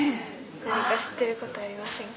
何か知ってることありませんか？